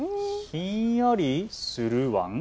ひんやりするワン？